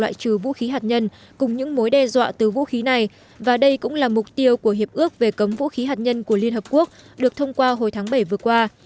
loại trừ vũ khí hạt nhân cùng những mối đe dọa từ vũ khí này và đây cũng là mục tiêu của hiệp ước về cấm vũ khí hạt nhân của liên hợp quốc được thông qua hồi tháng bảy vừa qua